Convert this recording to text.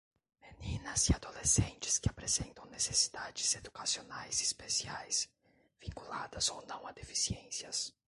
meninas e adolescentes que apresentam necessidades educacionais especiais, vinculadas ou não a deficiências.